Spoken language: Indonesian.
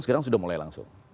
sekarang sudah mulai langsung